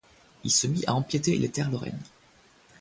Il se mit à empiéter les terres lorraines.